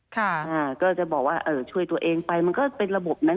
ก็จะบอกว่าช่วยตัวเองไปมันก็เป็นระบบนั้น